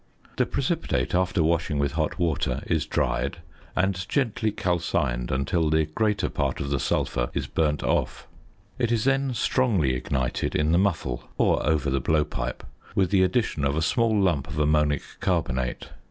The precipitate, after washing with hot water, is dried, and gently calcined until the greater part of the sulphur is burnt off. It is then strongly ignited in the muffle (or over the blowpipe) with the addition of a small lump of ammonic carbonate.